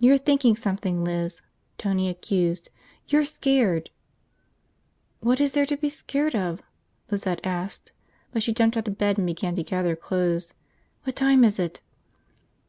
"You're thinking something, Liz," Tony accused. "You're scared!" "What is there to be scared of?" Lizette asked, but she jumped out of bed and began to gather clothes. "What time is it?"